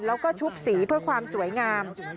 แล้วก็ชุบสีเพื่อความสวยงาม